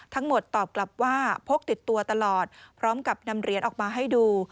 ทั้งหมดตอบกลับว่าพกติดตัวตลอดพร้อมกับนำเหรียญออกมาให้ดู